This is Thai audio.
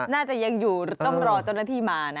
น่าจะยังอยู่ต้องรอเจ้าหน้าที่มานะ